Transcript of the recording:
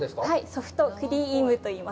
ソフトクリームといいます。